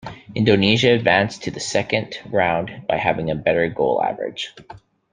Indonesia advanced to the Second Round by having a better goal average.